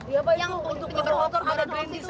ya pak itu penyebar hukum dari negeri